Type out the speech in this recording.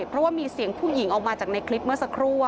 เพราะว่ามีเสียงผู้หญิงออกมาจากในคลิปเมื่อสักครู่